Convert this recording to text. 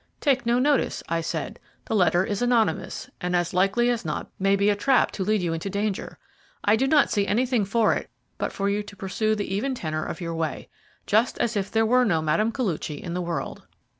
"Take no notice," I said. "The letter is anonymous, and as likely as not may be a trap to lead you into danger. I do not see anything for it but for you to pursue the even tenor of your way, just as if there were no Mme. Koluchy in the world."